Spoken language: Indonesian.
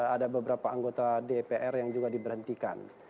ada beberapa anggota dpr yang juga diberhentikan